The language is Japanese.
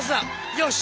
よし。